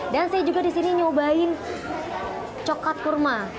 dan saya juga di sini nyobain coklat kurma